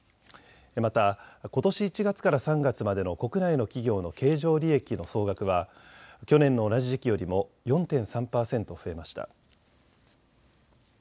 また、ことし１月から３月までの国内の企業の経常利益の総額は去年の同じ時期よりも４．３％増えました。